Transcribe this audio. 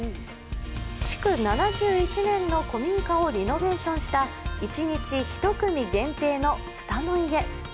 築７１年の古民家をリノベーションした一日１組限定の蔦之家。